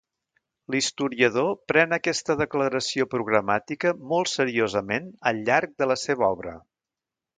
L'historiador pren aquesta declaració programàtica molt seriosament al llarg de la seva obra.